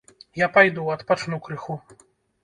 Я пайду, адпачну крыху.